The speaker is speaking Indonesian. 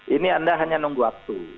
ini anda hanya nunggu waktu